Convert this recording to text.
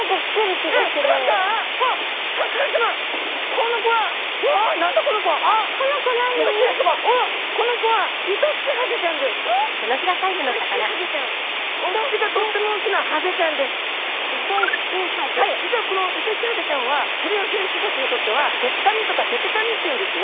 実はこのイトヒキハゼちゃんは釣りをする人たちにとってはてっかみとかててかみっていうんですね。